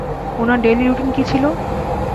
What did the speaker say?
উনার daily routine কী ছিল?